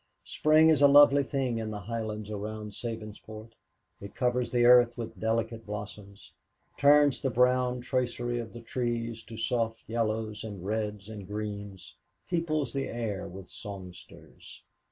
Spring is a lovely thing in the highlands around Sabinsport. It covers the earth with delicate blossoms, turns the brown tracery of the trees to soft yellows and reds and greens, peoples the air with songsters.